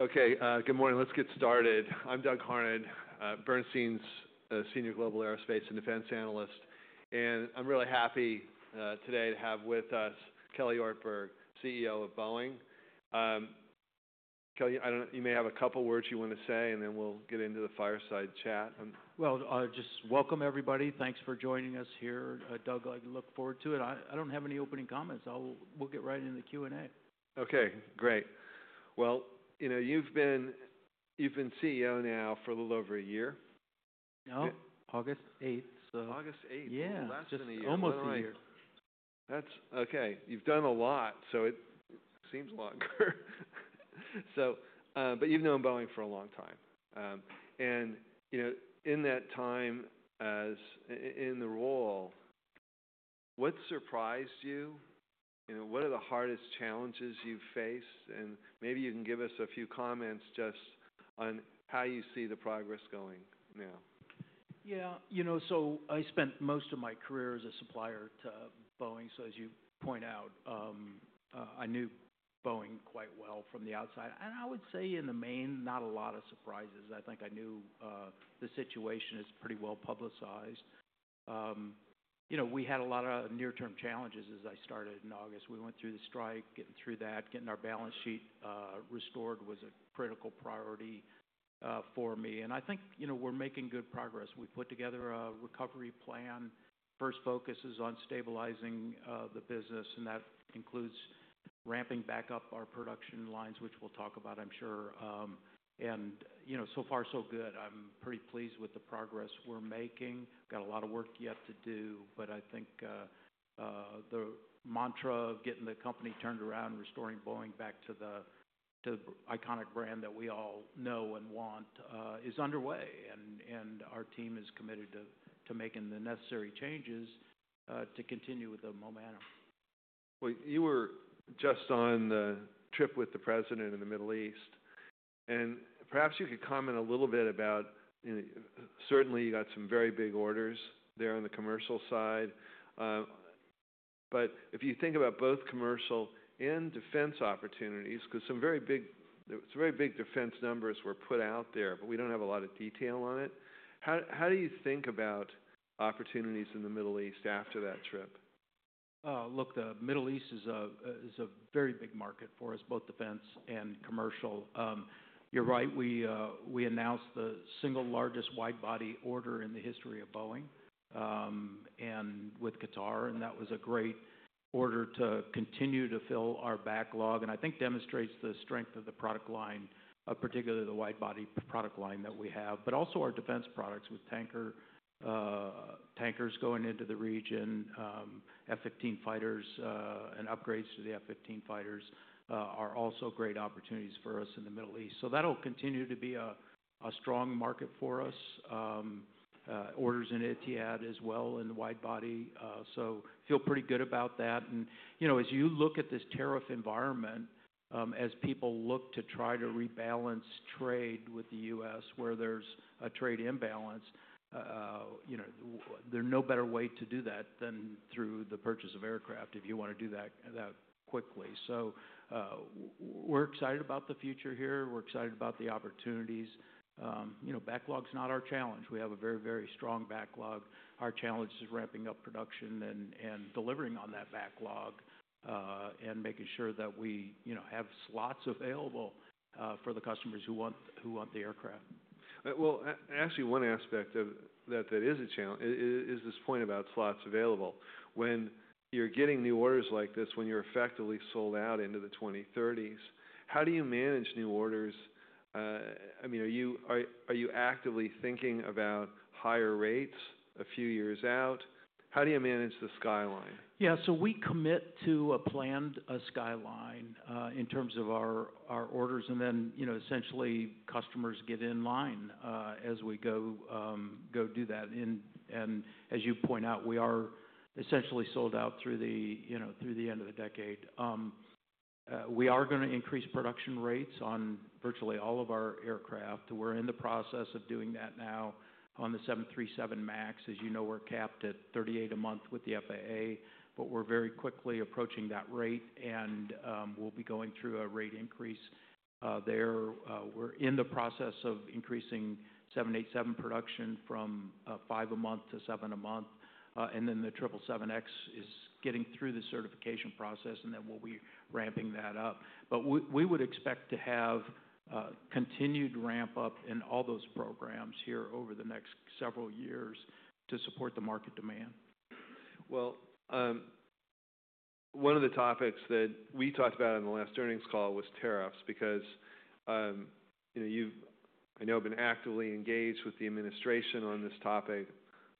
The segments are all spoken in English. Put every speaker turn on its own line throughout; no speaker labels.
Okay, good morning. Let's get started. I'm Doug Harned, Bernstein's Senior Global Aerospace and Defense Analyst, and I'm really happy today to have with us Kelly Ortberg, CEO of Boeing. Kelly, I don't know, you may have a couple words you want to say, and then we'll get into the fireside chat.
Just welcome everybody. Thanks for joining us here. Doug, I look forward to it. I don't have any opening comments. I'll, we'll get right into the Q&A.
Okay, great. You know, you've been CEO now for a little over a year.
No. August 8th, so.
August 8th.
Yeah.
Less than a year.
Almost a year.
That's okay. You've done a lot, so it seems longer. You've known Boeing for a long time, and, you know, in that time, as in, in the role, what surprised you? You know, what are the hardest challenges you've faced? Maybe you can give us a few comments just on how you see the progress going now.
Yeah, you know, so I spent most of my career as a supplier to Boeing. So, as you point out, I knew Boeing quite well from the outside. I would say in the main, not a lot of surprises. I think I knew, the situation is pretty well publicized. You know, we had a lot of near-term challenges as I started in August. We went through the strike, getting through that, getting our balance sheet restored was a critical priority for me. I think, you know, we're making good progress. We've put together a recovery plan. First focus is on stabilizing the business, and that includes ramping back up our production lines, which we'll talk about, I'm sure. You know, so far, so good. I'm pretty pleased with the progress we're making. Got a lot of work yet to do, but I think the mantra of getting the company turned around, restoring Boeing back to the iconic brand that we all know and want, is underway. Our team is committed to making the necessary changes to continue with the momentum.
You were just on the trip with the president in the Middle East, and perhaps you could comment a little bit about, you know, certainly you got some very big orders there on the commercial side. If you think about both commercial and defense opportunities, 'cause some very big, some very big defense numbers were put out there, but we do not have a lot of detail on it. How do you think about opportunities in the Middle East after that trip?
Look, the Middle East is a very big market for us, both defense and commercial. You're right. We announced the single largest widebody order in the history of Boeing, and with Qatar. That was a great order to continue to fill our backlog, and I think demonstrates the strength of the product line, particularly the widebody product line that we have, but also our defense products with tanker, tankers going into the region, F-15 fighters, and upgrades to the F-15 fighters, are also great opportunities for us in the Middle East. That will continue to be a strong market for us. Orders in Etihad as well in the widebody. I feel pretty good about that. You know, as you look at this tariff environment, as people look to try to rebalance trade with the U.S. where there's a trade imbalance, you know, there's no better way to do that than through the purchase of aircraft if you want to do that that quickly. We're excited about the future here. We're excited about the opportunities. You know, backlog's not our challenge. We have a very, very strong backlog. Our challenge is ramping up production and delivering on that backlog, and making sure that we, you know, have slots available for the customers who want the aircraft.
Actually, one aspect of that that is a challenge is this point about slots available. When you're getting new orders like this, when you're effectively sold out into the 2030s, how do you manage new orders? I mean, are you actively thinking about higher rates a few years out? How do you manage the skyline?
Yeah, so we commit to a planned skyline in terms of our orders. And then, you know, essentially customers get in line as we go do that. And, as you point out, we are essentially sold out through the, you know, through the end of the decade. We are going to increase production rates on virtually all of our aircraft. We're in the process of doing that now on the 737 MAX. As you know, we're capped at 38 a month with the FAA, but we're very quickly approaching that rate. And, we'll be going through a rate increase there. We're in the process of increasing 787 production from five a month to seven a month. And then the 777X is getting through the certification process, and then we'll be ramping that up. We would expect to have continued ramp up in all those programs here over the next several years to support the market demand.
One of the topics that we talked about on the last earnings call was tariffs because, you know, you've, I know, been actively engaged with the administration on this topic.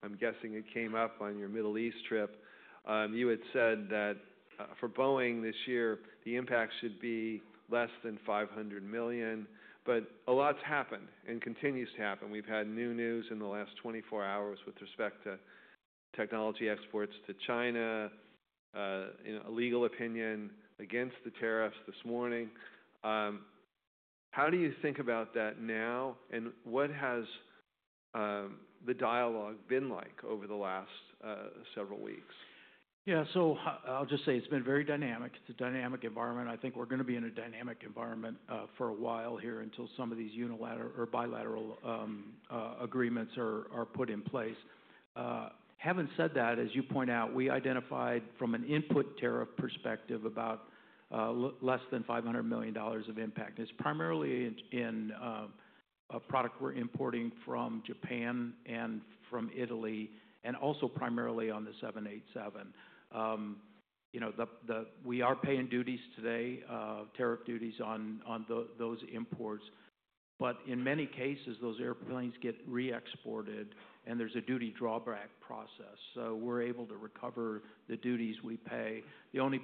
I'm guessing it came up on your Middle East trip. You had said that, for Boeing this year, the impact should be less than $500 million, but a lot's happened and continues to happen. We've had new news in the last 24 hours with respect to technology exports to China, you know, a legal opinion against the tariffs this morning. How do you think about that now? And what has the dialogue been like over the last several weeks?
Yeah, so I'll just say it's been very dynamic. It's a dynamic environment. I think we're going to be in a dynamic environment for a while here until some of these unilateral or bilateral agreements are put in place. Having said that, as you point out, we identified from an input tariff perspective about, less than $500 million of impact. It's primarily in a product we're importing from Japan and from Italy, and also primarily on the 787. You know, we are paying duties today, tariff duties on those imports. But in many cases, those airplanes get re-exported, and there's a duty drawback process. So we're able to recover the duties we pay. The only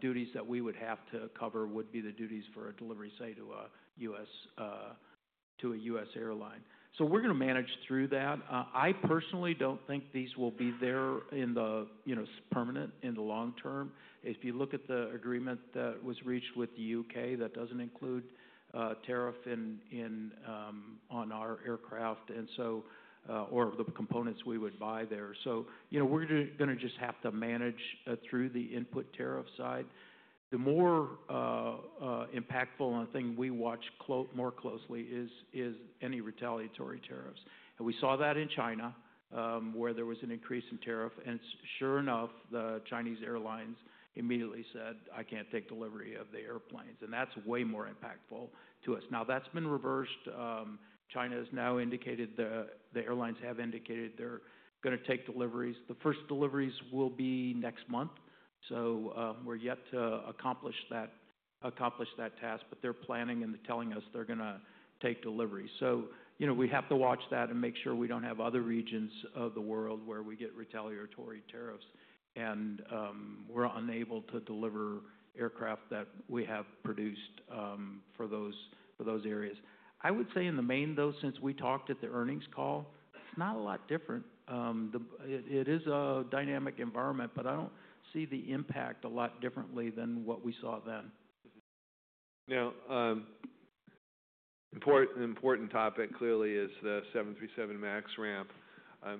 duties that we would have to cover would be the duties for a delivery, say, to a U.S., to a U.S. airline. We're going to manage through that. I personally don't think these will be there in the, you know, as permanent, in the long term. If you look at the agreement that was reached with the U.K., that doesn't include tariff on our aircraft and the components we would buy there. You know, we're gonna just have to manage through the input tariff side. The more impactful, and I think we watch more closely, is any retaliatory tariffs. We saw that in China, where there was an increase in tariff. Sure enough, the Chinese airlines immediately said, "I can't take delivery of the airplanes." That's way more impactful to us. Now, that's been reversed. China has now indicated, the airlines have indicated they're going to take deliveries. The first deliveries will be next month. We're yet to accomplish that, accomplish that task, but they're planning and they're telling us they're going to take deliveries. You know, we have to watch that and make sure we don't have other regions of the world where we get retaliatory tariffs and we're unable to deliver aircraft that we have produced for those, for those areas. I would say in the main, though, since we talked at the earnings call, it's not a lot different. It is a dynamic environment, but I don't see the impact a lot differently than what we saw then.
Now, important topic clearly is the 737 MAX ramp.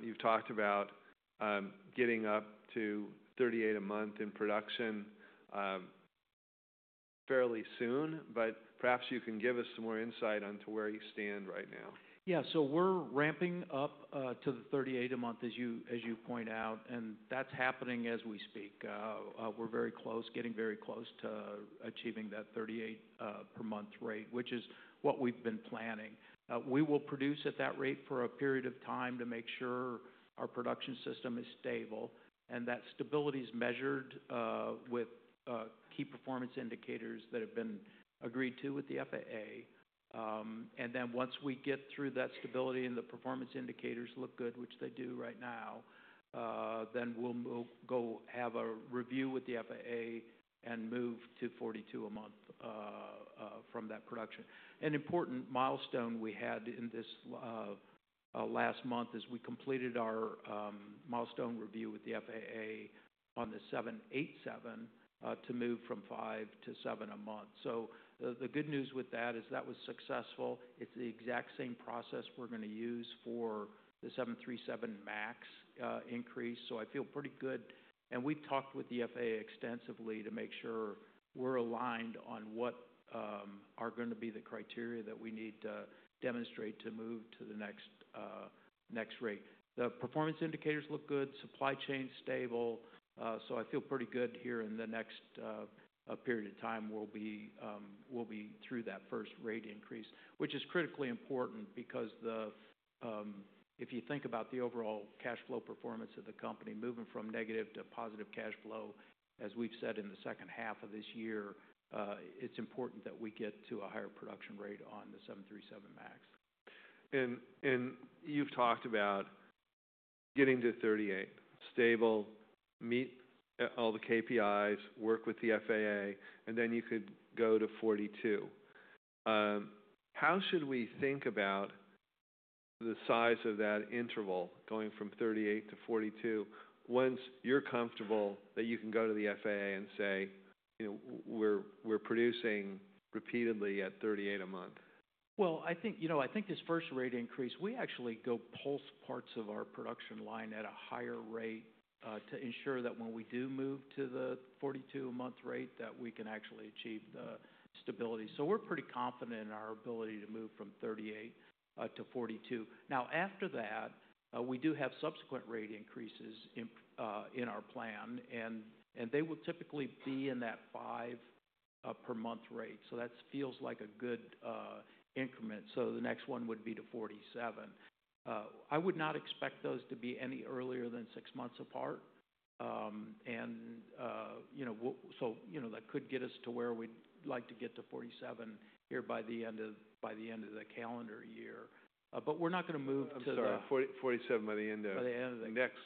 You've talked about getting up to 38 a month in production fairly soon, but perhaps you can give us some more insight onto where you stand right now.
Yeah, so we're ramping up to the 38 a month, as you point out, and that's happening as we speak. We're very close, getting very close to achieving that 38 per month rate, which is what we've been planning. We will produce at that rate for a period of time to make sure our production system is stable and that stability is measured with key performance indicators that have been agreed to with the FAA. Once we get through that stability and the performance indicators look good, which they do right now, then we'll go have a review with the FAA and move to 42 a month from that production. An important milestone we had in this last month is we completed our milestone review with the FAA on the 787 to move from five to seven a month. The good news with that is that was successful. It's the exact same process we're going to use for the 737 MAX increase. I feel pretty good. We've talked with the FAA extensively to make sure we're aligned on what are going to be the criteria that we need to demonstrate to move to the next rate. The performance indicators look good. Supply chain's stable. I feel pretty good here in the next period of time, we'll be through that first rate increase, which is critically important because if you think about the overall cash flow performance of the company, moving from negative to positive cash flow, as we've said in the second half of this year, it's important that we get to a higher production rate on the 737 MAX.
You have talked about getting to 38, stable, meet all the KPIs, work with the FAA, and then you could go to 42. How should we think about the size of that interval going from 38 to 42 once you are comfortable that you can go to the FAA and say, you know, we are producing repeatedly at 38 a month?
I think, you know, I think this first rate increase, we actually go pulse parts of our production line at a higher rate, to ensure that when we do move to the 42 a month rate, that we can actually achieve the stability. We are pretty confident in our ability to move from 38 to 42. Now, after that, we do have subsequent rate increases in our plan, and they will typically be in that five per month rate. That feels like a good increment. The next one would be to 47. I would not expect those to be any earlier than six months apart. You know, that could get us to where we would like to get to 47 here by the end of the calendar year. We are not going to move to the.
I'm sorry, 40, 47 by the end of.
By the end of the.
Next.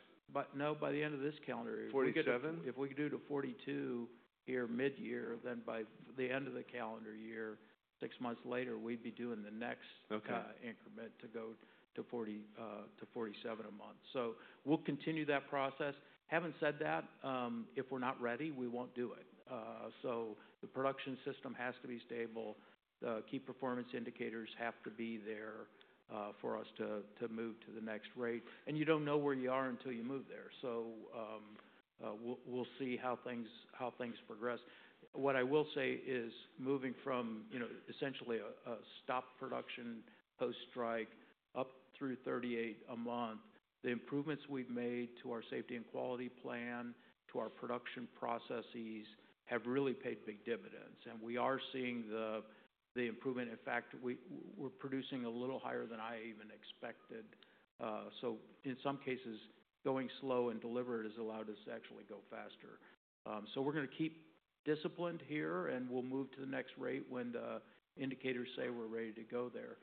No, by the end of this calendar year.
47?
If we could do to 42 here mid-year, then by the end of the calendar year, six months later, we'd be doing the next.
Okay.
Increment to go to 40, to 47 a month. We'll continue that process. Having said that, if we're not ready, we won't do it. The production system has to be stable. The key performance indicators have to be there for us to move to the next rate. You don't know where you are until you move there. We'll see how things progress. What I will say is moving from, you know, essentially a stop production post-strike up through 38 a month, the improvements we've made to our safety and quality plan, to our production processes have really paid big dividends. We are seeing the improvement. In fact, we're producing a little higher than I even expected. In some cases, going slow and delivered has allowed us to actually go faster. We're going to keep disciplined here, and we'll move to the next rate when the indicators say we're ready to go there.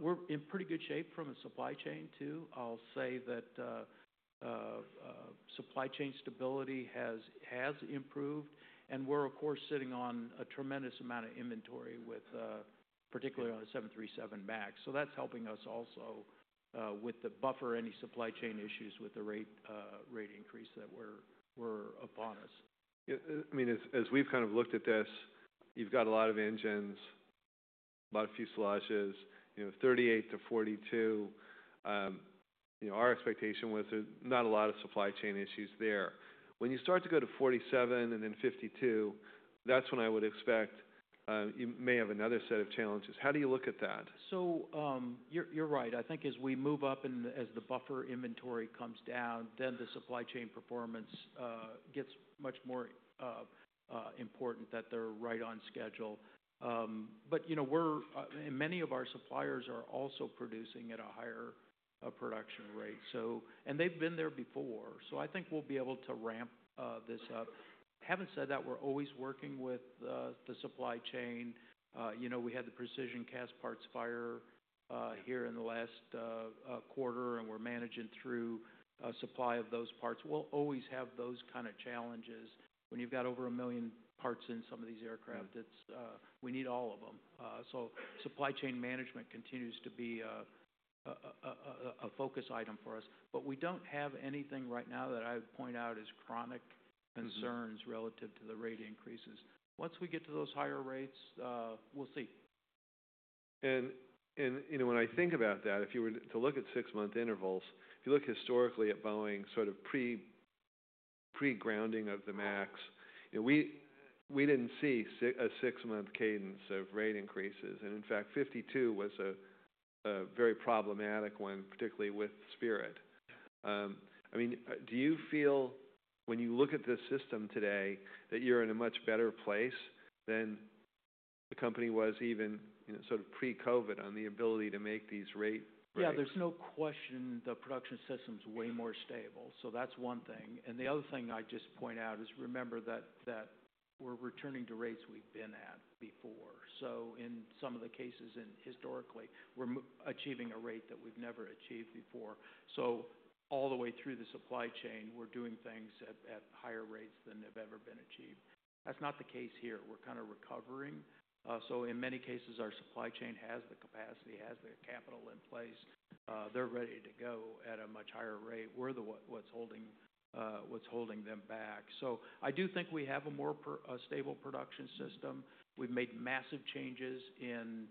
We're in pretty good shape from a supply chain too. I'll say that supply chain stability has improved. We're, of course, sitting on a tremendous amount of inventory, particularly on the 737 MAX. That's helping us also, with the buffer for any supply chain issues with the rate increase that is upon us.
Yeah, I mean, as we've kind of looked at this, you've got a lot of engines, a lot of fuselages, you know, 38-42. You know, our expectation was there's not a lot of supply chain issues there. When you start to go to 47 and then 52, that's when I would expect you may have another set of challenges. How do you look at that?
You're right. I think as we move up and as the buffer inventory comes down, then the supply chain performance gets much more important that they're right on schedule. You know, we're, and many of our suppliers are also producing at a higher production rate, and they've been there before. I think we'll be able to ramp this up. Having said that, we're always working with the supply chain. You know, we had the Precision Castparts fire here in the last quarter, and we're managing through supply of those parts. We'll always have those kind of challenges. When you've got over a million parts in some of these aircraft, we need all of them. Supply chain management continues to be a focus item for us. We do not have anything right now that I would point out as chronic concerns relative to the rate increases. Once we get to those higher rates, we will see.
You know, when I think about that, if you were to look at six-month intervals, if you look historically at Boeing's sort of pre, pre-grounding of the MAX, you know, we didn't see a six-month cadence of rate increases. In fact, 52 was a very problematic one, particularly with Spirit. I mean, do you feel when you look at this system today that you're in a much better place than the company was even, you know, sort of pre-COVID on the ability to make these rates?
Yeah, there's no question the production system's way more stable. That's one thing. The other thing I just point out is remember that we're returning to rates we've been at before. In some of the cases and historically, we're achieving a rate that we've never achieved before. All the way through the supply chain, we're doing things at higher rates than have ever been achieved. That's not the case here. We're kind of recovering. In many cases, our supply chain has the capacity, has the capital in place. They're ready to go at a much higher rate. We're the ones holding, what's holding them back. I do think we have a more stable production system. We've made massive changes in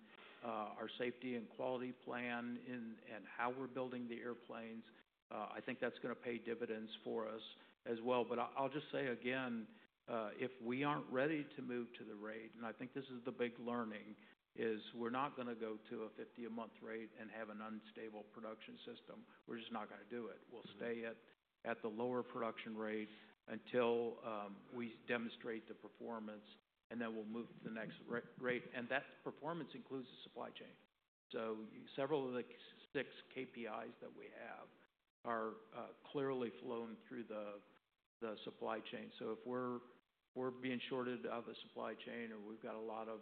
our safety and quality plan and in how we're building the airplanes. I think that's going to pay dividends for us as well. I'll just say again, if we aren't ready to move to the rate, and I think this is the big learning, we're not going to go to a 50 a month rate and have an unstable production system. We're just not going to do it. We'll stay at the lower production rate until we demonstrate the performance, and then we'll move to the next rate. That performance includes the supply chain. Several of the six KPIs that we have are clearly flown through the supply chain. If we're being shorted out of the supply chain or we've got a lot of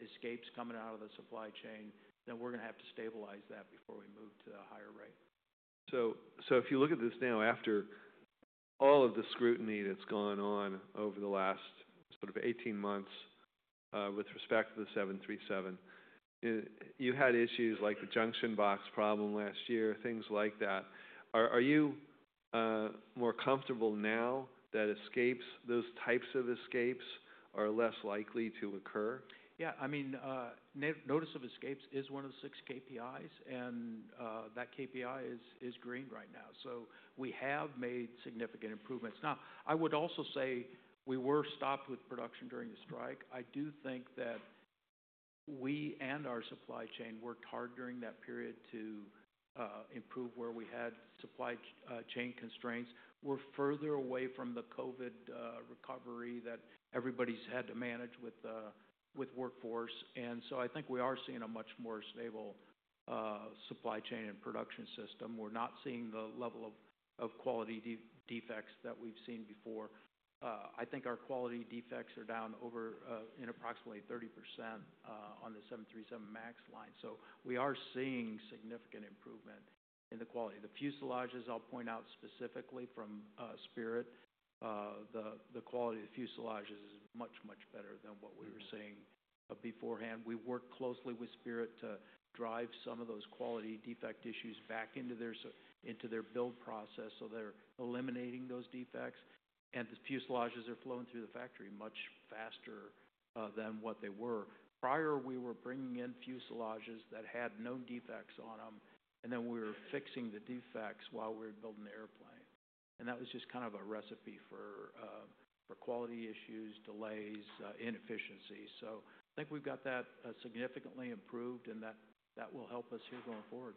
escapes coming out of the supply chain, then we're going to have to stabilize that before we move to a higher rate.
If you look at this now, after all of the scrutiny that's gone on over the last sort of 18 months, with respect to the 737, you had issues like the junction box problem last year, things like that. Are you more comfortable now that escapes, those types of escapes, are less likely to occur?
Yeah, I mean, notice of escapes is one of the six KPIs, and that KPI is green right now. We have made significant improvements. I would also say we were stopped with production during the strike. I do think that we and our supply chain worked hard during that period to improve where we had supply chain constraints. We're further away from the COVID recovery that everybody's had to manage with the workforce. I think we are seeing a much more stable supply chain and production system. We're not seeing the level of quality defects that we've seen before. I think our quality defects are down approximately 30% on the 737 MAX line. We are seeing significant improvement in the quality. The fuselages, I'll point out specifically from Spirit, the quality of the fuselages is much, much better than what we were seeing beforehand. We've worked closely with Spirit to drive some of those quality defect issues back into their build process. They are eliminating those defects. The fuselages are flowing through the factory much faster than what they were. Prior, we were bringing in fuselages that had defects on them, and then we were fixing the defects while we were building the airplane. That was just kind of a recipe for quality issues, delays, inefficiencies. I think we've got that significantly improved, and that will help us here going forward.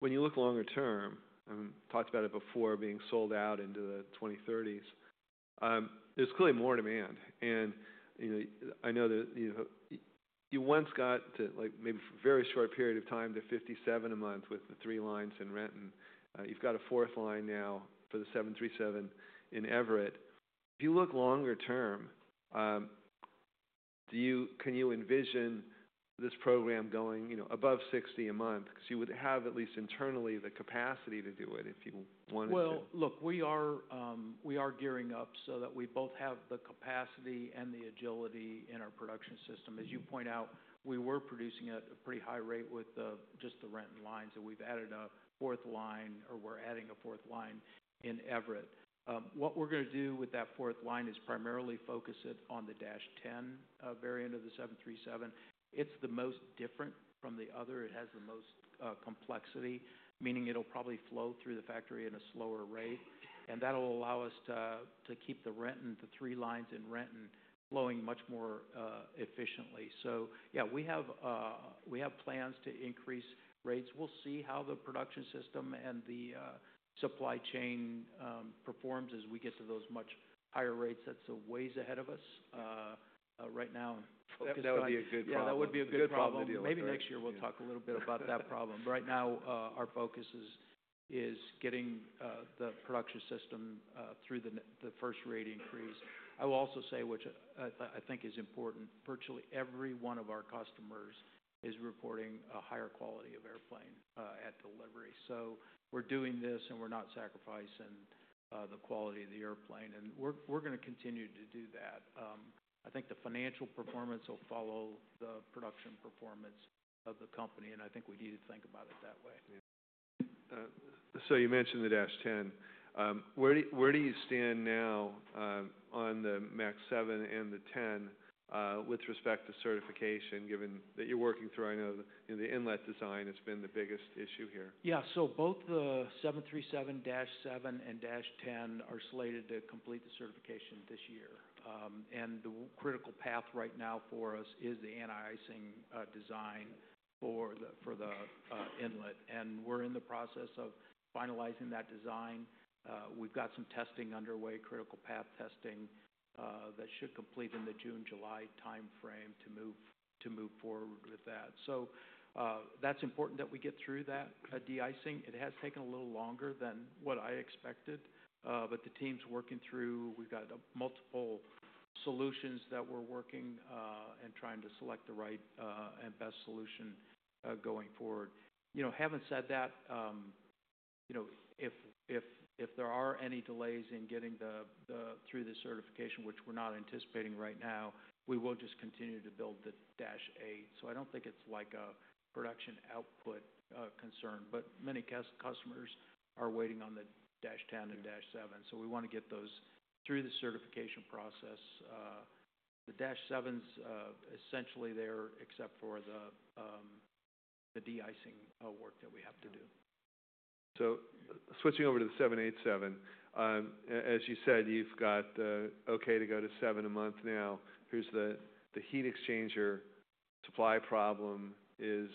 When you look longer term, I mean, talked about it before being sold out into the 2030s, there's clearly more demand. And, you know, I know that, you know, you once got to, like, maybe for a very short period of time to 57 a month with the three lines in Renton. You've got a fourth line now for the 737 in Everett. If you look longer term, do you, can you envision this program going, you know, above 60 a month? Because you would have at least internally the capacity to do it if you wanted to.
Look, we are gearing up so that we both have the capacity and the agility in our production system. As you point out, we were producing at a pretty high rate with just the Renton lines. We have added a fourth line, or we are adding a fourth line in Everett. What we are going to do with that fourth line is primarily focus it on the -10 variant of the 737. It is the most different from the other. It has the most complexity, meaning it will probably flow through the factory at a slower rate. That will allow us to keep the three lines in Renton flowing much more efficiently. Yeah, we have plans to increase rates. We will see how the production system and the supply chain perform as we get to those much higher rates. That's a ways ahead of us right now.
That would be a good problem.
Yeah, that would be a good problem. Maybe next year we'll talk a little bit about that problem. Right now, our focus is getting the production system through the first rate increase. I will also say, which I think is important, virtually every one of our customers is reporting a higher quality of airplane at delivery. So we're doing this and we're not sacrificing the quality of the airplane. We're going to continue to do that. I think the financial performance will follow the production performance of the company. I think we need to think about it that way.
Yeah. So you mentioned the -10. Where do you, where do you stand now, on the MAX 7 and the -10, with respect to certification, given that you're working through, I know, the, you know, the inlet design has been the biggest issue here?
Yeah, so both the 737-7 and -10 are slated to complete the certification this year. The critical path right now for us is the anti-icing design for the inlet. We're in the process of finalizing that design. We've got some testing underway, critical path testing, that should complete in the June-July timeframe to move forward with that. That's important that we get through that, de-icing. It has taken a little longer than what I expected, but the team's working through. We've got multiple solutions that we're working, and trying to select the right and best solution going forward. You know, having said that, if there are any delays in getting through the certification, which we're not anticipating right now, we will just continue to build the -8. I don't think it's like a production output concern. But many customers are waiting on the -10 and -7. We want to get those through the certification process. The -7s, essentially they're except for the de-icing work that we have to do.
Switching over to the 787, as you said, you've got okay to go to 7 a month now. Here's the, the heat exchanger supply problem is,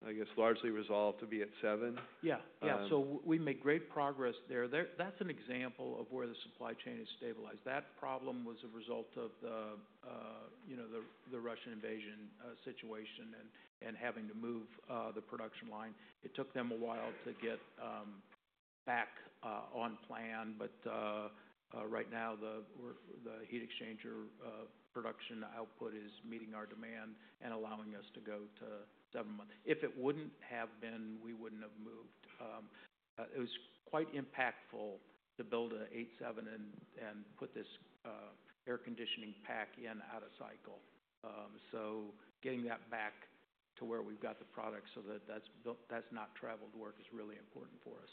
I guess, largely resolved to be at 7.
Yeah. Yeah. We made great progress there. That's an example of where the supply chain is stabilized. That problem was a result of the, you know, the Russian invasion situation and having to move the production line. It took them a while to get back on plan. Right now, the heat exchanger production output is meeting our demand and allowing us to go to 7 a month. If it wouldn't have been, we wouldn't have moved. It was quite impactful to build an 87 and put this air conditioning pack in out of cycle. Getting that back to where we've got the product so that that's built, that's not traveled to work is really important for us.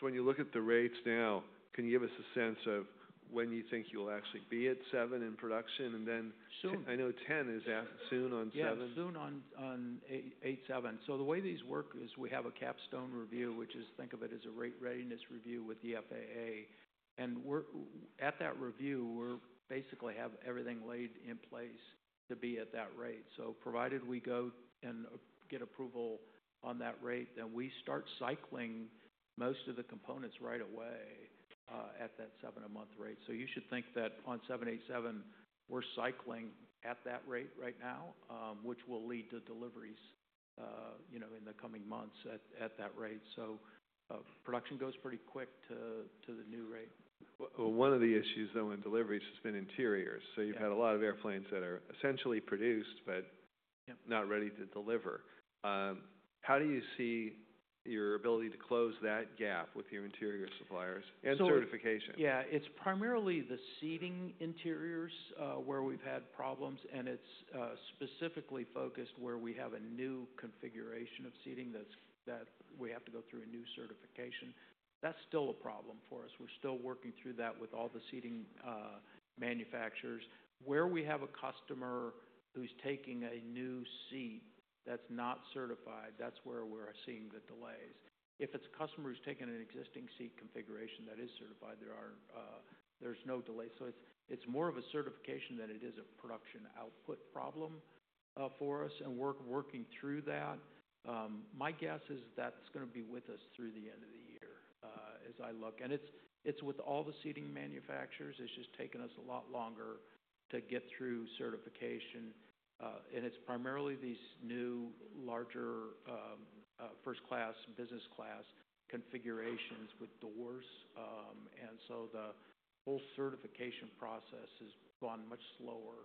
When you look at the rates now, can you give us a sense of when you think you'll actually be at 7 in production? And then.
Soon.
I know 10 is out soon on 7.
Yeah, soon on, on 787. The way these work is we have a capstone review, which is, think of it as a rate readiness review with the FAA. At that review, we basically have everything laid in place to be at that rate. Provided we go and get approval on that rate, then we start cycling most of the components right away at that 7 a month rate. You should think that on 787, we're cycling at that rate right now, which will lead to deliveries, you know, in the coming months at that rate. Production goes pretty quick to the new rate.
One of the issues though in deliveries has been interiors. So you've had a lot of airplanes that are essentially produced but not ready to deliver. How do you see your ability to close that gap with your interior suppliers and certification?
Yeah, it's primarily the seating interiors, where we've had problems. It's specifically focused where we have a new configuration of seating that we have to go through a new certification. That's still a problem for us. We're still working through that with all the seating manufacturers. Where we have a customer who's taking a new seat that's not certified, that's where we're seeing the delays. If it's a customer who's taken an existing seat configuration that is certified, there's no delay. It's more of a certification than it is a production output problem for us. We're working through that. My guess is that's going to be with us through the end of the year, as I look. It's with all the seating manufacturers. It's just taken us a lot longer to get through certification. It's primarily these new larger, first class, business class configurations with doors. The whole certification process has gone much slower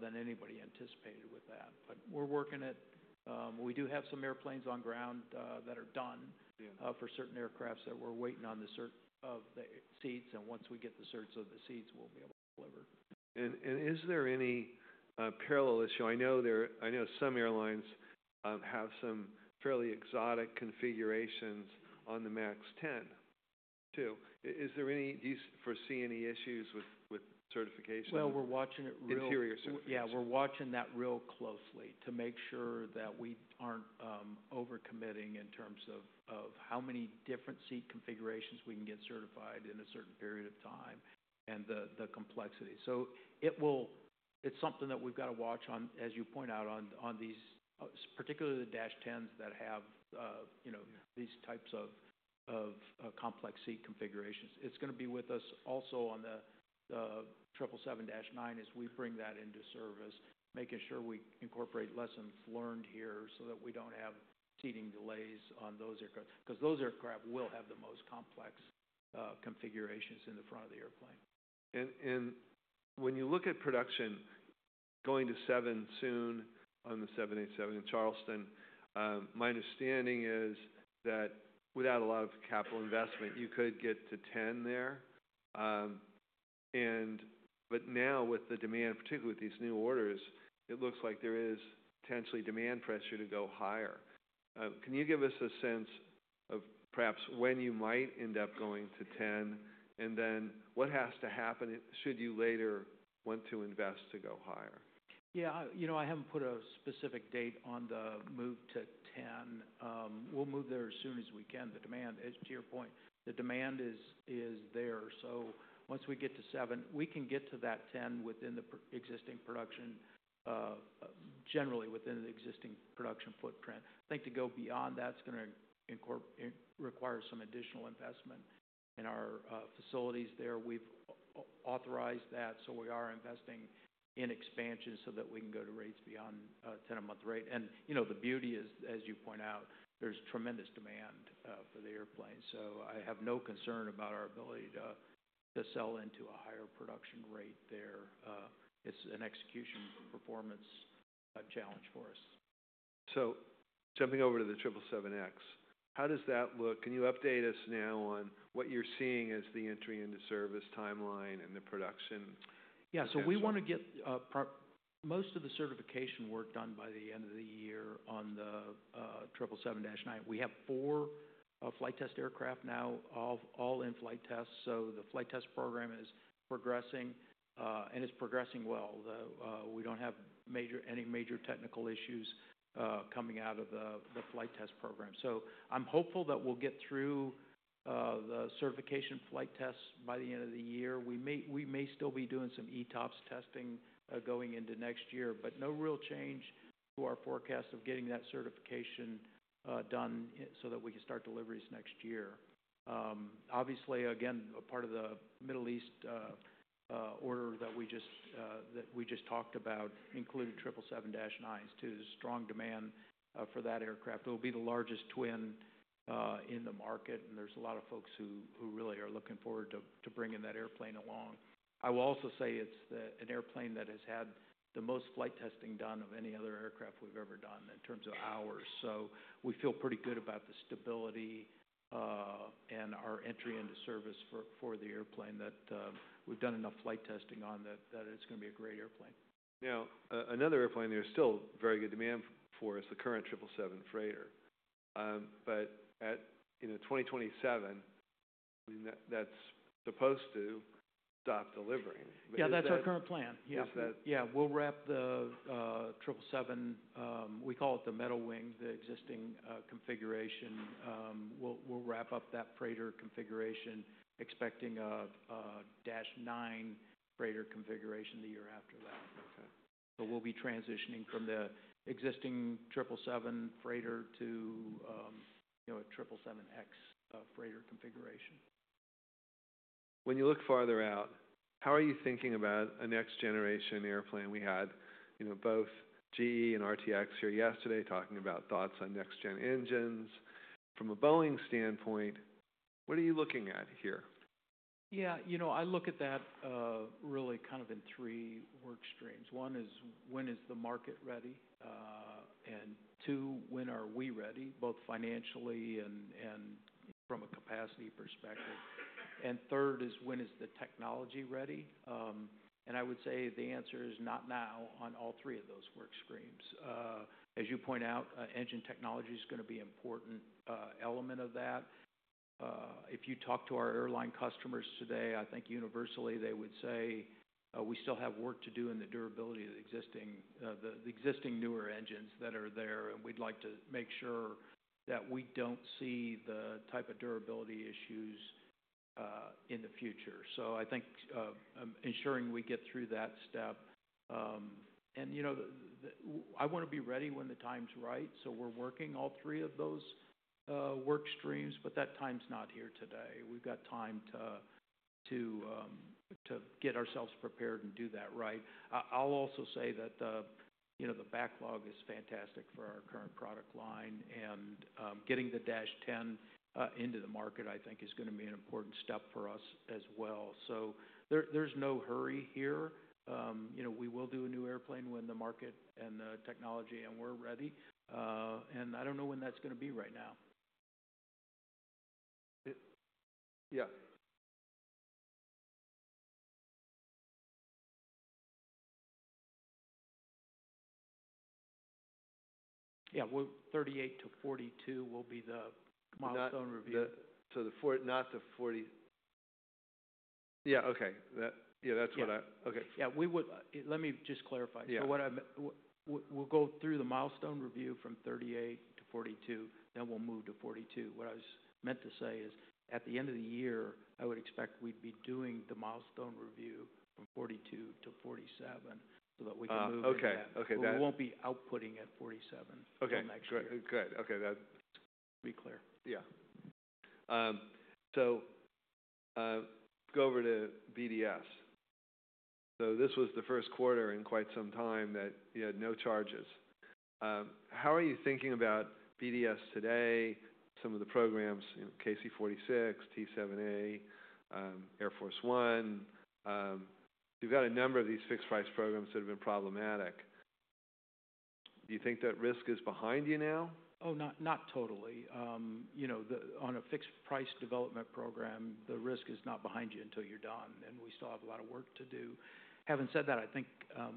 than anybody anticipated with that. We're working it. We do have some airplanes on ground that are done for certain aircraft that we're waiting on the cert of the seats. Once we get the certs of the seats, we'll be able to deliver.
Is there any parallel issue? I know some airlines have some fairly exotic configurations on the MAX 10 too. Is there any, do you foresee any issues with certification?
We're watching it real.
Interior certification.
Yeah, we're watching that real closely to make sure that we aren't overcommitting in terms of how many different seat configurations we can get certified in a certain period of time and the complexity. It will, it's something that we've got to watch on, as you point out, on these, particularly the -10s that have, you know, these types of complex seat configurations. It's going to be with us also on the 777-9 as we bring that into service, making sure we incorporate lessons learned here so that we don't have seating delays on those aircraft. Because those aircraft will have the most complex configurations in the front of the airplane.
When you look at production going to 7 soon on the 787 in Charleston, my understanding is that without a lot of capital investment, you could get to 10 there. And now with the demand, particularly with these new orders, it looks like there is potentially demand pressure to go higher. Can you give us a sense of perhaps when you might end up going to 10? And then what has to happen should you later want to invest to go higher?
Yeah, you know, I haven't put a specific date on the move to 10. We'll move there as soon as we can. The demand, as to your point, the demand is there. Once we get to 7, we can get to that 10 within the existing production, generally within the existing production footprint. I think to go beyond that's going to require some additional investment in our facilities there. We've authorized that. We are investing in expansion so that we can go to rates beyond 10 a month rate. You know, the beauty is, as you point out, there's tremendous demand for the airplane. I have no concern about our ability to sell into a higher production rate there. It's an execution performance challenge for us.
Jumping over to the 777X, how does that look? Can you update us now on what you're seeing as the entry into service timeline and the production?
Yeah, so we want to get most of the certification work done by the end of the year on the 777-9. We have four flight test aircraft now, all in flight test. So the flight test program is progressing, and it's progressing well. We don't have any major technical issues coming out of the flight test program. So I'm hopeful that we'll get through the certification flight tests by the end of the year. We may still be doing some ETOPS testing going into next year, but no real change to our forecast of getting that certification done so that we can start deliveries next year. Obviously, again, a part of the Middle East order that we just talked about, including 777-9s too, is strong demand for that aircraft. It will be the largest twin in the market. There are a lot of folks who really are looking forward to bringing that airplane along. I will also say it's an airplane that has had the most flight testing done of any other aircraft we've ever done in terms of hours. We feel pretty good about the stability and our entry into service for the airplane, that we've done enough flight testing on that, that it's going to be a great airplane.
Now, another airplane there is still very good demand for is the current 777 Freighter. At, you know, 2027, that's supposed to stop delivering.
Yeah, that's our current plan. Yeah.
Is that?
Yeah, we'll wrap the 777, we call it the metal wing, the existing configuration. We'll wrap up that Freighter configuration, expecting a -9 Freighter configuration the year after that.
Okay.
We'll be transitioning from the existing 777 Freighter to, you know, a 777X Freighter configuration.
When you look farther out, how are you thinking about a next generation airplane? We had, you know, both GE and RTX here yesterday talking about thoughts on next gen engines. From a Boeing standpoint, what are you looking at here?
Yeah, you know, I look at that really kind of in three work streams. One is when is the market ready? And two, when are we ready, both financially and from a capacity perspective? And third is when is the technology ready? I would say the answer is not now on all three of those work streams. As you point out, engine technology is going to be an important element of that. If you talk to our airline customers today, I think universally they would say we still have work to do in the durability of the existing, the existing newer engines that are there. We'd like to make sure that we do not see the type of durability issues in the future. I think ensuring we get through that step. You know, I want to be ready when the time's right. We're working all three of those work streams, but that time's not here today. We've got time to get ourselves prepared and do that right. I'll also say that the backlog is fantastic for our current product line. And getting the -10 into the market, I think, is going to be an important step for us as well. There's no hurry here. You know, we will do a new airplane when the market and the technology and we're ready. I don't know when that's going to be right now.
Yeah.
Yeah, 38 to 42 will be the milestone review.
The 40, not the 40. Yeah, okay. That, yeah, that's what I.
Yeah.
Okay.
Yeah, we would, let me just clarify.
Yeah.
What I'm, we'll go through the milestone review from 38 to 42, then we'll move to 42. What I was meant to say is at the end of the year, I would expect we'd be doing the milestone review from 42 to 47 so that we can move to that.
Okay. Okay.
We won't be outputting at 47.
Okay.
Next year.
Good. Good. Okay. That's it.
To be clear.
Yeah. So, go over to BDS. So this was the first quarter in quite some time that you had no charges. How are you thinking about BDS today, some of the programs, you know, KC-46, T-7A, Air Force One? You've got a number of these fixed price programs that have been problematic. Do you think that risk is behind you now?
Oh, not, not totally. You know, on a fixed price development program, the risk is not behind you until you're done. And we still have a lot of work to do. Having said that, I think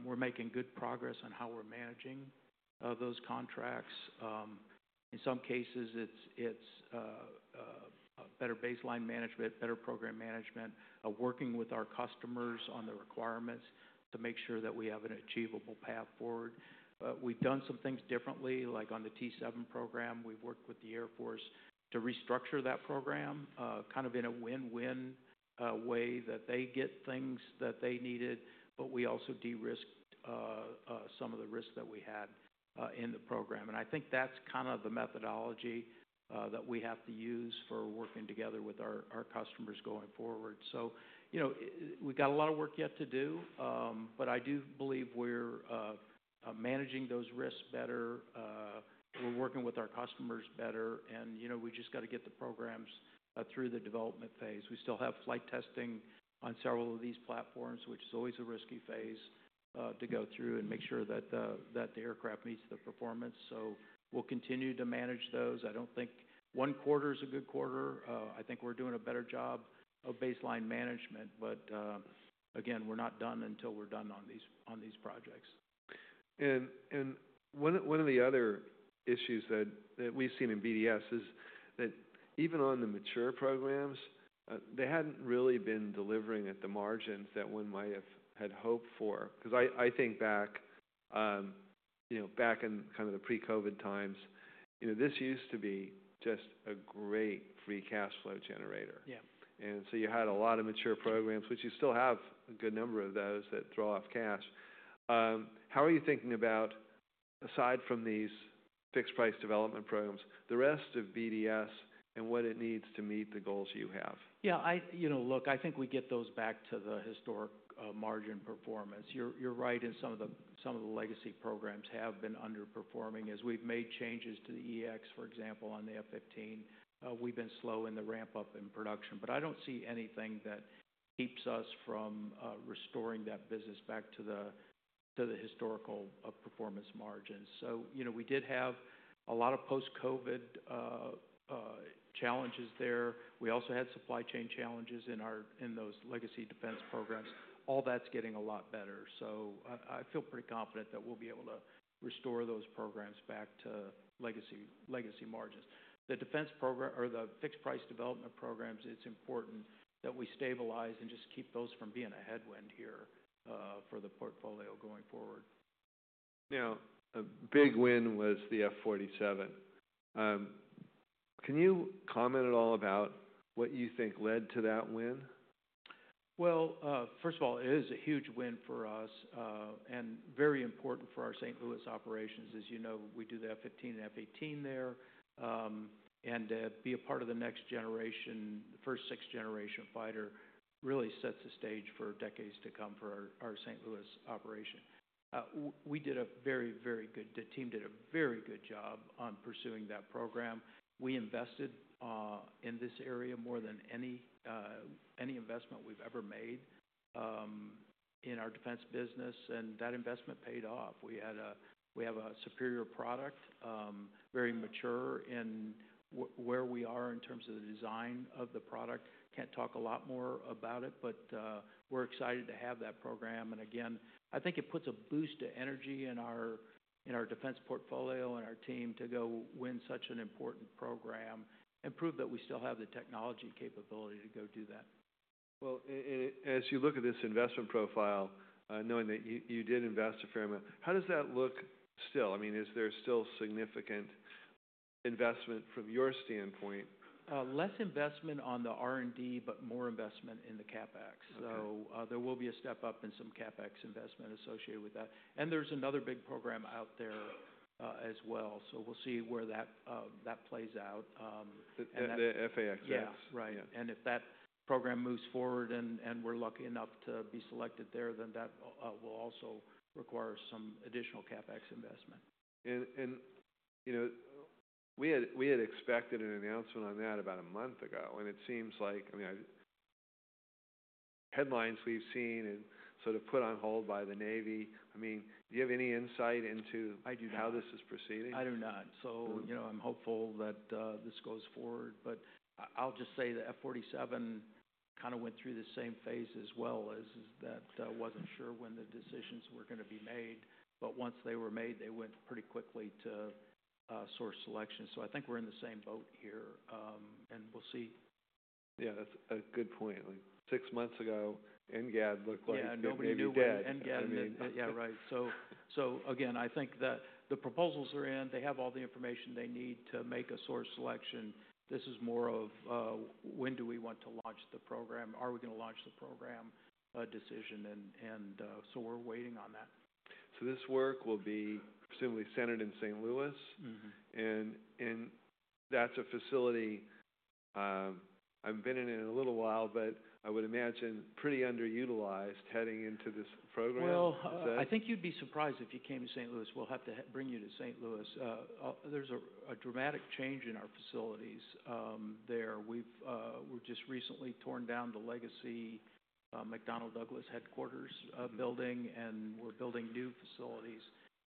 we're making good progress on how we're managing those contracts. In some cases, it's better baseline management, better program management, working with our customers on the requirements to make sure that we have an achievable path forward. We've done some things differently, like on the T-7A program. We've worked with the Air Force to restructure that program, kind of in a win-win way that they get things that they needed, but we also de-risked some of the risks that we had in the program. I think that's kind of the methodology that we have to use for working together with our customers going forward. You know, we've got a lot of work yet to do. I do believe we're managing those risks better. We're working with our customers better. You know, we just got to get the programs through the development phase. We still have flight testing on several of these platforms, which is always a risky phase to go through and make sure that the aircraft meets the performance. We'll continue to manage those. I don't think one quarter is a good quarter. I think we're doing a better job of baseline management. Again, we're not done until we're done on these projects.
One of the other issues that we've seen in BDS is that even on the mature programs, they hadn't really been delivering at the margins that one might have had hoped for. Because I think back, you know, back in kind of the pre-COVID times, you know, this used to be just a great free cash flow generator.
Yeah.
You had a lot of mature programs, which you still have a good number of those that draw off cash. How are you thinking about, aside from these fixed price development programs, the rest of BDS and what it needs to meet the goals you have?
Yeah, I, you know, look, I think we get those back to the historic margin performance. You're right in some of the, some of the legacy programs have been underperforming. As we've made changes to the EX, for example, on the F-15, we've been slow in the ramp up in production. I don't see anything that keeps us from restoring that business back to the historical performance margins. You know, we did have a lot of post-COVID challenges there. We also had supply chain challenges in those legacy defense programs. All that's getting a lot better. I feel pretty confident that we'll be able to restore those programs back to legacy margins. The defense program or the fixed price development programs, it's important that we stabilize and just keep those from being a headwind here for the portfolio going forward.
Now, a big win was the F-47. Can you comment at all about what you think led to that win?
First of all, it is a huge win for us, and very important for our St. Louis operations. As you know, we do the F-15 and F-18 there, and be a part of the next generation, the first sixth-generation fighter really sets the stage for decades to come for our St. Louis operation. We did a very, very good, the team did a very good job on pursuing that program. We invested in this area more than any investment we've ever made in our defense business. And that investment paid off. We have a superior product, very mature in where we are in terms of the design of the product. Can't talk a lot more about it, but we're excited to have that program. I think it puts a boost to energy in our, in our defense portfolio and our team to go win such an important program and prove that we still have the technology capability to go do that.
As you look at this investment profile, knowing that you did invest a fair amount, how does that look still? I mean, is there still significant investment from your standpoint?
Less investment on the R&D, but more investment in the CapEx. There will be a step up in some CapEx investment associated with that. There's another big program out there, as well. We'll see where that plays out.
The F/A-XX.
Yeah. Right. If that program moves forward and we're lucky enough to be selected there, then that will also require some additional CapEx investment.
You know, we had expected an announcement on that about a month ago. It seems like, I mean, headlines we've seen have sort of put it on hold by the Navy. I mean, do you have any insight into how this is proceeding?
I do not. I do not. You know, I'm hopeful that this goes forward. I'll just say the F-47 kind of went through the same phase as well as that, was not sure when the decisions were going to be made. Once they were made, they went pretty quickly to source selection. I think we're in the same boat here, and we'll see.
Yeah, that's a good point. Like six months ago, NGAD looked like nobody knew what NGAD meant.
Yeah, nobody knew what NGAD meant. Yeah, right. I think that the proposals are in. They have all the information they need to make a source selection. This is more of, when do we want to launch the program? Are we going to launch the program? decision. And, we're waiting on that.
This work will be presumably centered in St. Louis.
Mm-hmm.
That's a facility, I've been in it a little while, but I would imagine pretty underutilized heading into this program.
I think you'd be surprised if you came to St. Louis. We'll have to bring you to St. Louis. There's a dramatic change in our facilities there. We've just recently torn down the legacy McDonnell Douglas headquarters building, and we're building new facilities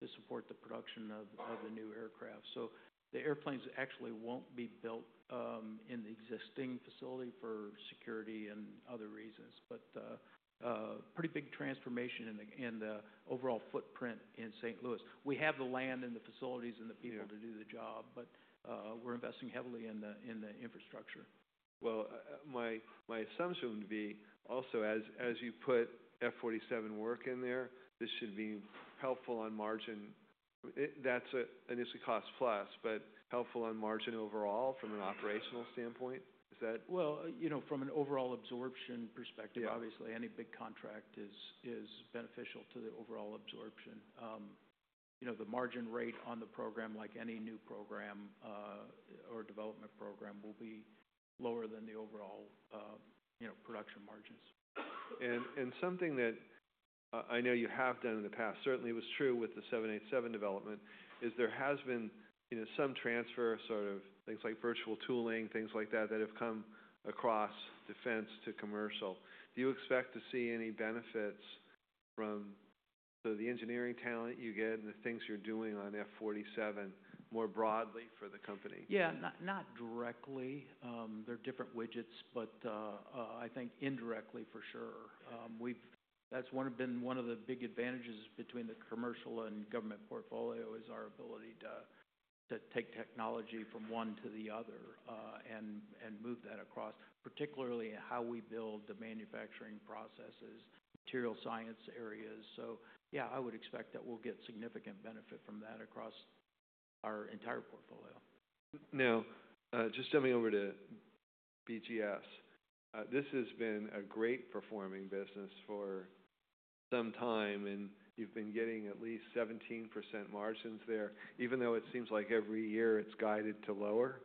to support the production of the new aircraft. The airplanes actually won't be built in the existing facility for security and other reasons. Pretty big transformation in the overall footprint in St. Louis. We have the land and the facilities and the people to do the job, but we're investing heavily in the infrastructure.
My assumption would be also as you put F-47 work in there, this should be helpful on margin. That's an initial cost plus, but helpful on margin overall from an operational standpoint. Is that?
You know, from an overall absorption perspective, obviously any big contract is beneficial to the overall absorption. You know, the margin rate on the program, like any new program or development program, will be lower than the overall, you know, production margins.
Something that, I know you have done in the past, certainly was true with the 787 development, is there has been, you know, some transfer, sort of things like virtual tooling, things like that, that have come across defense to commercial. Do you expect to see any benefits from the engineering talent you get and the things you're doing on F-47 more broadly for the company?
Yeah, not, not directly. They're different widgets, but I think indirectly for sure. We've, that's been one of the big advantages between the commercial and government portfolio is our ability to take technology from one to the other, and move that across, particularly how we build the manufacturing processes, material science areas. Yeah, I would expect that we'll get significant benefit from that across our entire portfolio.
Now, just jumping over to BGS, this has been a great performing business for some time, and you've been getting at least 17% margins there, even though it seems like every year it's guided to lower.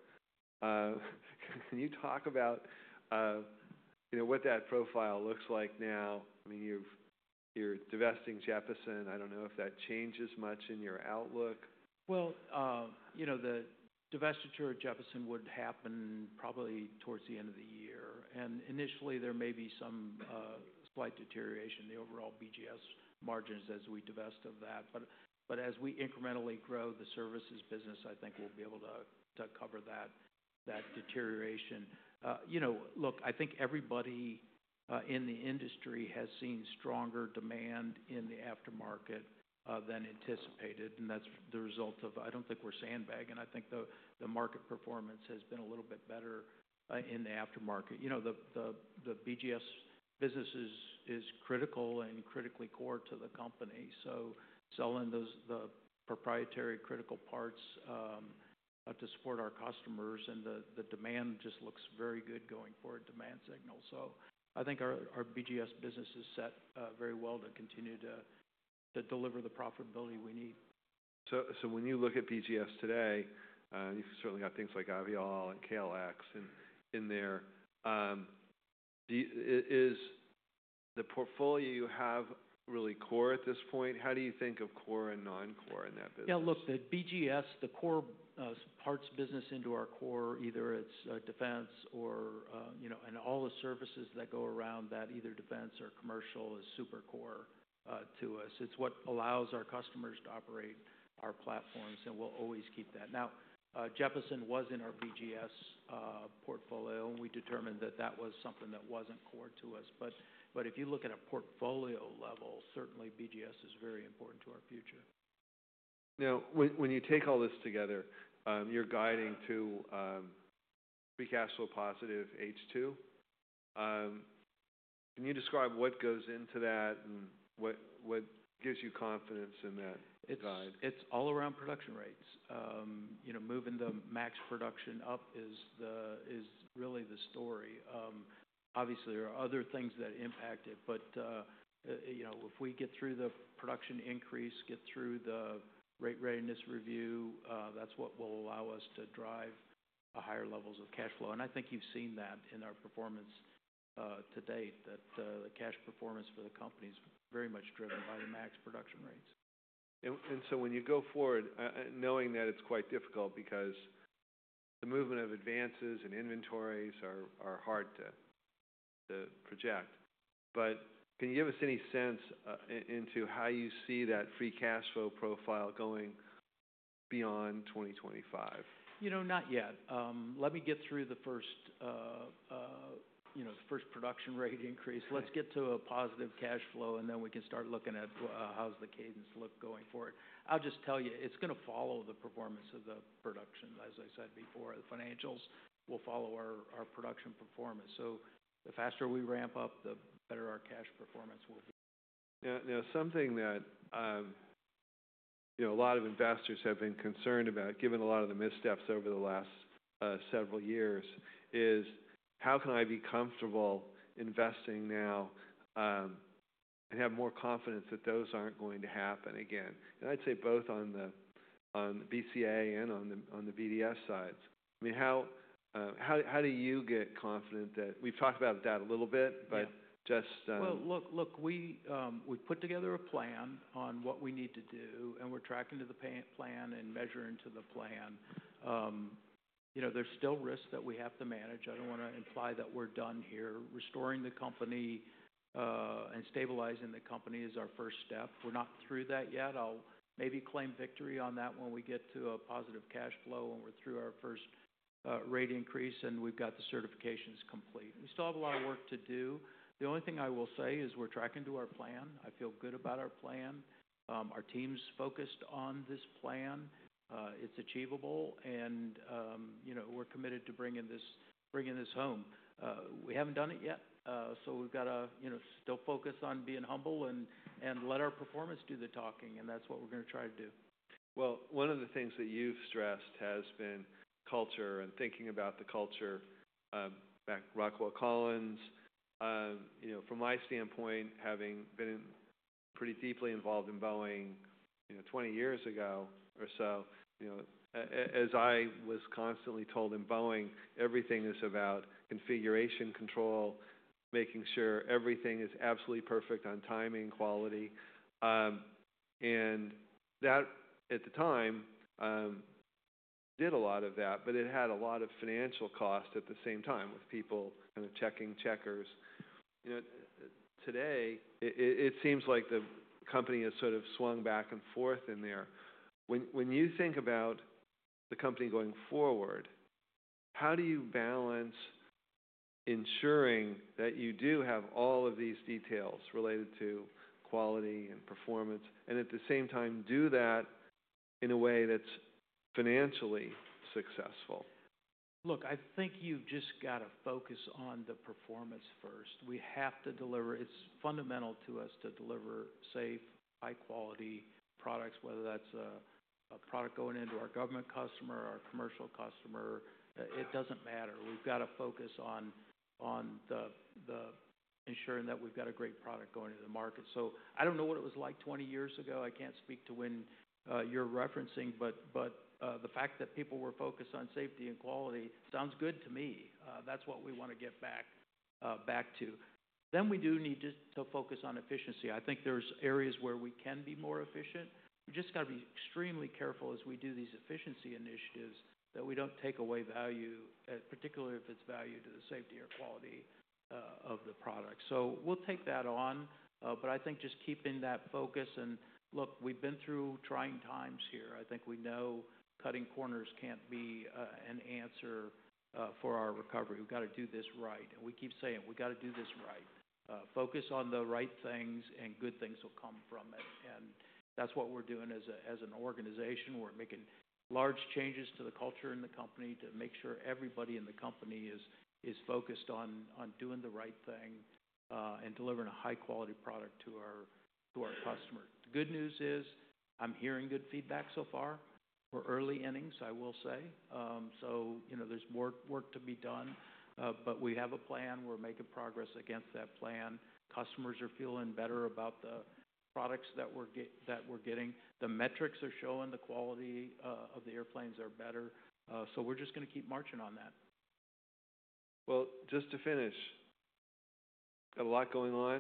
Can you talk about, you know, what that profile looks like now? I mean, you've, you're divesting Jeppesen. I don't know if that changes much in your outlook.
You know, the divestiture of Jefferson would happen probably towards the end of the year. Initially, there may be some slight deterioration in the overall BGS margins as we divest of that. As we incrementally grow the services business, I think we'll be able to cover that deterioration. You know, I think everybody in the industry has seen stronger demand in the aftermarket than anticipated. That's the result of, I don't think we're sandbagging. I think the market performance has been a little bit better in the aftermarket. The BGS business is critical and critically core to the company. Selling those proprietary critical parts to support our customers and the demand just looks very good going forward, demand signal. I think our BGS business is set very well to continue to deliver the profitability we need.
When you look at BGS today, you've certainly got things like Aviol and KLX in there. Do you, is the portfolio you have really core at this point? How do you think of core and non-core in that business?
Yeah, look, the BGS, the core parts business into our core, either it's defense or, you know, and all the services that go around that, either defense or commercial, is super core to us. It's what allows our customers to operate our platforms. We'll always keep that. Now, Jeppesen was in our BGS portfolio, and we determined that that was something that wasn't core to us. If you look at a portfolio level, certainly BGS is very important to our future.
Now, when you take all this together, you're guiding to pre-cash flow positive H2. Can you describe what goes into that and what gives you confidence in that guide?
It's all around production rates. You know, moving the MAX production up is really the story. Obviously there are other things that impact it, but, you know, if we get through the production increase, get through the rate readiness review, that's what will allow us to drive higher levels of cash flow. I think you've seen that in our performance to date, that the cash performance for the company is very much driven by the MAX production rates.
When you go forward, knowing that it's quite difficult because the movement of advances and inventories are hard to project. Can you give us any sense into how you see that free cash flow profile going beyond 2025?
You know, not yet. Let me get through the first, you know, the first production rate increase. Let's get to a positive cash flow, and then we can start looking at how's the cadence look going forward. I'll just tell you, it's going to follow the performance of the production, as I said before. The financials will follow our production performance. The faster we ramp up, the better our cash performance will be.
Now, something that, you know, a lot of investors have been concerned about, given a lot of the missteps over the last several years, is how can I be comfortable investing now, and have more confidence that those aren't going to happen again? I'd say both on the BCA and on the BDS sides. I mean, how do you get confident that? We've talked about that a little bit, but just,
Look, we put together a plan on what we need to do, and we're tracking to the plan and measuring to the plan. You know, there's still risks that we have to manage. I don't want to imply that we're done here. Restoring the company, and stabilizing the company is our first step. We're not through that yet. I'll maybe claim victory on that when we get to a positive cash flow, when we're through our first rate increase and we've got the certifications complete. We still have a lot of work to do. The only thing I will say is we're tracking to our plan. I feel good about our plan. Our team's focused on this plan. It's achievable. And, you know, we're committed to bringing this, bringing this home. We haven't done it yet. We've got to, you know, still focus on being humble and let our performance do the talking. That's what we're going to try to do.
One of the things that you've stressed has been culture and thinking about the culture, back at Rockwell Collins. You know, from my standpoint, having been pretty deeply involved in Boeing, you know, 20 years ago or so, as I was constantly told in Boeing, everything is about configuration control, making sure everything is absolutely perfect on timing, quality. That at the time did a lot of that, but it had a lot of financial cost at the same time with people kind of checking checkers. You know, today, it seems like the company has sort of swung back and forth in there. When you think about the company going forward, how do you balance ensuring that you do have all of these details related to quality and performance and at the same time do that in a way that's financially successful?
Look, I think you've just got to focus on the performance first. We have to deliver. It's fundamental to us to deliver safe, high-quality products, whether that's a product going into our government customer, our commercial customer. It doesn't matter. We've got to focus on ensuring that we've got a great product going into the market. I don't know what it was like 20 years ago. I can't speak to when you're referencing, but the fact that people were focused on safety and quality sounds good to me. That's what we want to get back to. We do need to focus on efficiency. I think there's areas where we can be more efficient. We just got to be extremely careful as we do these efficiency initiatives that we don't take away value, particularly if it's value to the safety or quality of the product. We'll take that on. I think just keeping that focus and look, we've been through trying times here. I think we know cutting corners can't be an answer for our recovery. We've got to do this right. We keep saying, we've got to do this right. Focus on the right things and good things will come from it. That's what we're doing as an organization. We're making large changes to the culture in the company to make sure everybody in the company is focused on doing the right thing and delivering a high-quality product to our customer. The good news is I'm hearing good feedback so far. We're early innings, I will say. You know, there's more work to be done, but we have a plan. We're making progress against that plan. Customers are feeling better about the products that we're getting. The metrics are showing the quality of the airplanes are better, so we're just going to keep marching on that.
Just to finish, got a lot going on.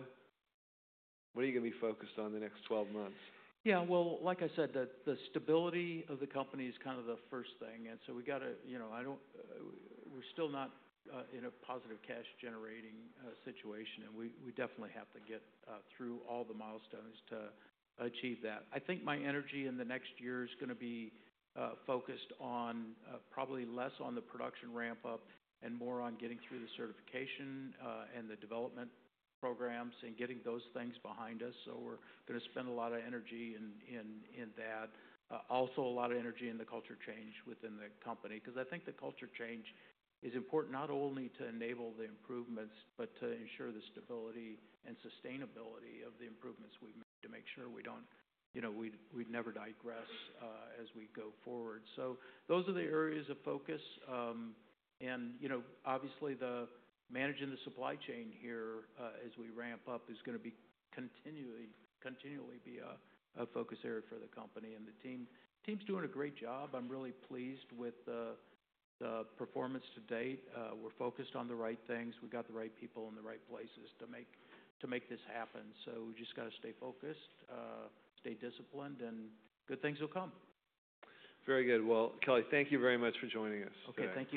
What are you going to be focused on the next 12 months?
Yeah, like I said, the stability of the company is kind of the first thing. And so we got to, you know, I don't, we're still not in a positive cash generating situation. And we definitely have to get through all the milestones to achieve that. I think my energy in the next year is going to be focused on probably less on the production ramp up and more on getting through the certification and the development programs and getting those things behind us. We're going to spend a lot of energy in that. Also a lot of energy in the culture change within the company. Because I think the culture change is important not only to enable the improvements, but to ensure the stability and sustainability of the improvements we've made to make sure we don't, you know, we never digress, as we go forward. Those are the areas of focus. You know, obviously managing the supply chain here, as we ramp up, is going to continually be a focus area for the company and the team. Team's doing a great job. I'm really pleased with the performance to date. We're focused on the right things. We've got the right people in the right places to make this happen. We just got to stay focused, stay disciplined, and good things will come.
Very good. Kelly, thank you very much for joining us.
Okay. Thank you.